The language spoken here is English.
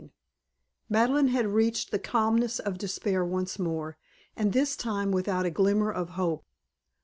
XXIX Madeleine had reached the calmness of despair once more, and this time without a glimmer of hope.